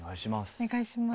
お願いします。